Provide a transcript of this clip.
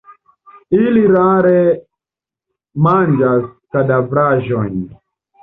Ili rare manĝas kadavraĵojn.